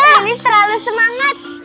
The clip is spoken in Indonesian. lilis selalu semangat